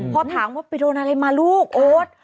พอถามว่าไปโดนอะไรมาลูกโอ๊ต